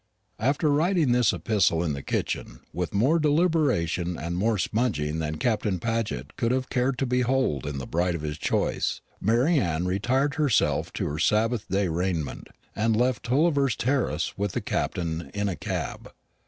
After writing this epistle in the kitchen, with more deliberation and more smudging than Captain Paget would have cared to behold in the bride of his choice, Mary Anne attired herself in her Sabbath day raiment, and left Tulliver's terrace with the Captain in a cab.